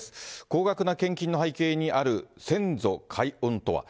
高額な献金の背景にある先祖解怨とは。